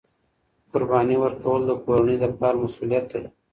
قرباني ورکول د کورنۍ د پلار مسؤلیت دی.